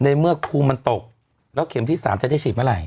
ในเมื่อภูมิมันตกแล้วเข็มที่๓จะได้ฉีดเมื่อไห